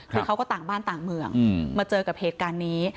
คือเขาก็ต่างบ้านต่างเมืองมาเจอกับเหตุการณ์นี้